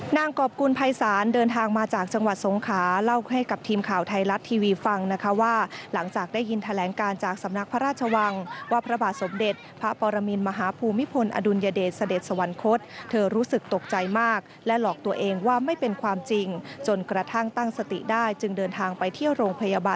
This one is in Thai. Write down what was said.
กรอบกุลภัยศาลเดินทางมาจากจังหวัดสงขาเล่าให้กับทีมข่าวไทยรัฐทีวีฟังนะคะว่าหลังจากได้ยินแถลงการจากสำนักพระราชวังว่าพระบาทสมเด็จพระปรมินมหาภูมิพลอดุลยเดชเสด็จสวรรคตเธอรู้สึกตกใจมากและหลอกตัวเองว่าไม่เป็นความจริงจนกระทั่งตั้งสติได้จึงเดินทางไปเที่ยวโรงพยาบาล